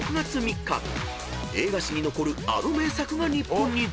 ［映画史に残るあの名作が日本に上陸］